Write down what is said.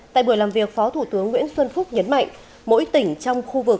tại buổi làm việc phó thủ tướng nguyễn xuân phúc nhấn mạnh mỗi tỉnh trong khu vực